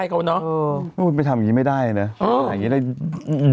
เกือบจะมีเรื่องแล้ว